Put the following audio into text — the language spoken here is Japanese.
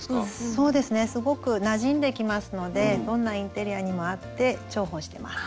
そうですねすごくなじんできますのでどんなインテリアにも合って重宝してます。